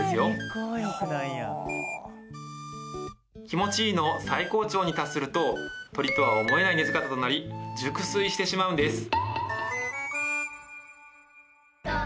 気持ちいいの最高潮に達すると鳥とは思えない寝姿となり熟睡してしまうんです